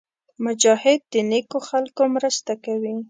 مجاهد د نېکو خلکو مرسته کوي.